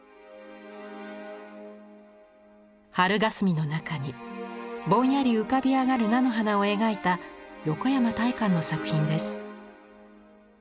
春がすみの中にぼんやり浮かび上がる菜の花を描いた横山大観の作品です。